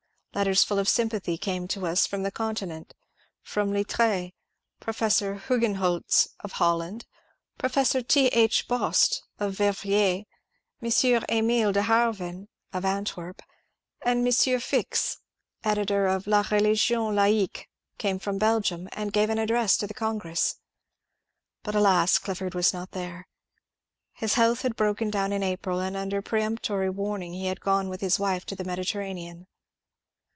Letters full of sympathy came to us from the Conti nent— from Littr^, Professor Hugenholtz (of Holland), Professor Th. Bost (of Venders), M. Emile de Harven (of Antwerp); and M. Fix, editor of ^^ La Religion Laique," came from Belgium, and gave an address to the Congress. But alas, Clifford was not there. His health had broken down in April, and under peremptory warning he had gone with his wife to the Mediterranean.